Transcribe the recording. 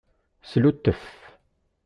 Sluttef.